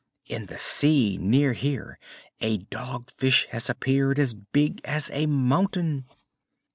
"In the sea near here a Dog Fish has appeared as big as a mountain."